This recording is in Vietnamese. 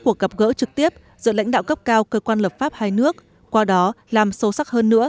cuộc gặp gỡ trực tiếp giữa lãnh đạo cấp cao cơ quan lập pháp hai nước qua đó làm sâu sắc hơn nữa